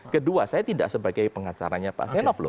kedua saya tidak sebagai pengacaranya pak stiano fanto